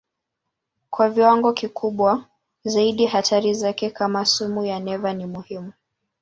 Kwa viwango kikubwa zaidi hatari zake kama sumu ya neva ni muhimu.